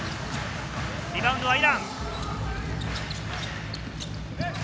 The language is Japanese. リバウンドはイラン。